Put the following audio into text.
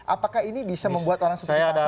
apakah ini bisa membuat orang seperti pak assam ini